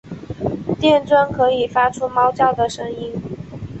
电鲇可以发出猫叫的声音。